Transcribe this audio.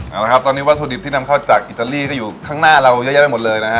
เอาละครับตอนนี้วัตถุดิบที่นำเข้าจากอิตาลีก็อยู่ข้างหน้าเราเยอะแยะไปหมดเลยนะฮะ